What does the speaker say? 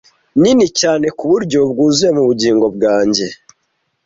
ninini cyane kuburyo bwuzuye mubugingo bwanjye